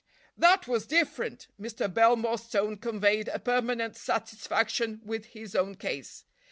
"That was different." Mr. Belmore's tone conveyed a permanent satisfaction with his own case.